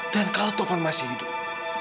dan kalau taufan masih hidup